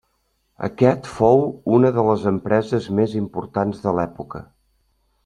Aquest fou una de les empreses més importants de l'època.